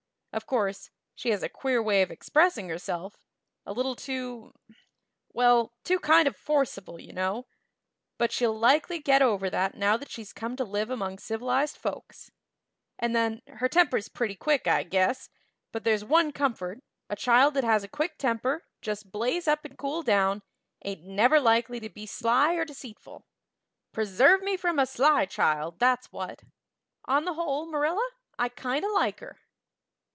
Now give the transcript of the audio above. Of course, she has a queer way of expressing herself a little too well, too kind of forcible, you know; but she'll likely get over that now that she's come to live among civilized folks. And then, her temper's pretty quick, I guess; but there's one comfort, a child that has a quick temper, just blaze up and cool down, ain't never likely to be sly or deceitful. Preserve me from a sly child, that's what. On the whole, Marilla, I kind of like her."